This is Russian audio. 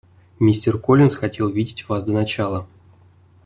Мистер Коллинс хотел видеть вас до начала.